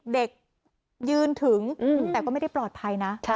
เด็กยืนถึงแต่ก็ไม่ได้ปลอดภัยนะ